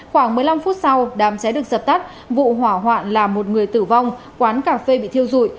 khoảng một mươi năm phút sau đám cháy được dập tắt vụ hỏa hoạn là một người tử vong quán cà phê bị thiêu dụi